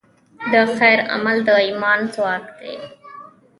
د خیر عمل د ایمان ځواک دی.